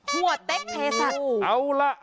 หัวเต๊กเพศัตริย์